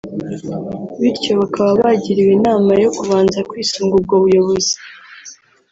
bityo bakaba bagiriwe inama yo kubanza kwisunga ubwo buyobozi